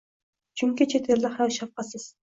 Chunki chet elda hayot shafqatsiz!"